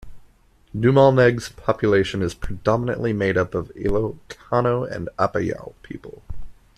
Dumalneg's population is predominantly made up of Ilocano and Apayao people.